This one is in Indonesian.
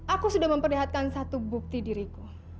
aku sudah memperlihatkan satu bukti diriku